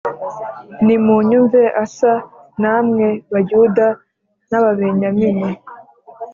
Nimunyumve Asa namwe Bayuda n Ababenyamini